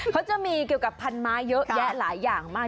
เขาจะมีเกี่ยวกับพันไม้เยอะแยะหลายอย่างมาก